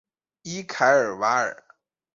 伊凯尔瓦尔。